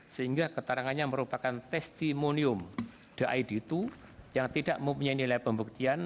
sehingga keterangannya merupakan testimonium deaeditu yang tidak mempunyai nilai pembuktian